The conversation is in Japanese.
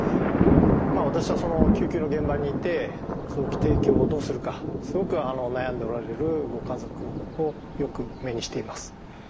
まあ私はその救急の現場にいて臓器提供をどうするかすごく悩んでおられるご家族をよく目にしています。